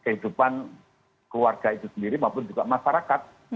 kehidupan keluarga itu sendiri maupun juga masyarakat